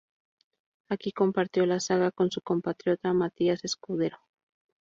Aquí compartió la zaga con su compatriota Matías Escudero.